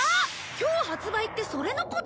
今日発売ってそれのことか！